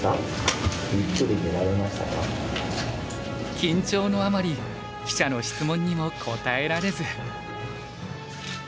緊張のあまり記者の質問にも答えられず。